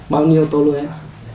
bao nhiêu toluen